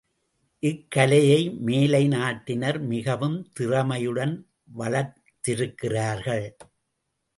இக்கலையை மேலை நாட்டினர் மிகவும் திறமையுடன் வளர்த்திருக்கிறார்கள்.